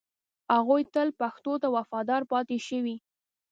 هغوی تل پښتو ته وفادار پاتې شوي